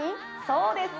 そうです。